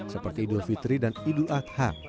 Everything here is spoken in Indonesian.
seperti idul fitri dan idul adha